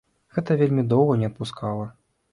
Гэта вельмі доўга не адпускала.